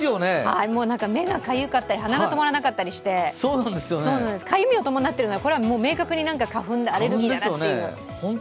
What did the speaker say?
目がかゆかったり鼻も止まらなかったりしてかゆみを伴ってるので、これは明確に花粉でアレルギーだなという。